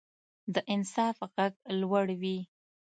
د انصاف غږ لوړ وي